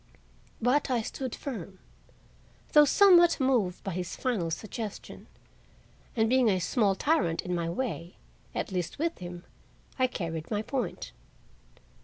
But I stood firm, though somewhat moved by his final suggestion; and, being a small tyrant in my way, at least with him, I carried my point.